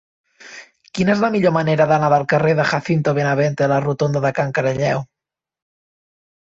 Quina és la millor manera d'anar del carrer de Jacinto Benavente a la rotonda de Can Caralleu?